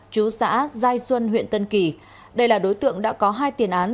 chú xã giai xuân huyện tân kỳ đây là đối tượng đã có hai tiền án